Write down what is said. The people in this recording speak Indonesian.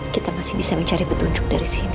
kita masih bisa mencari petunjuk dari sini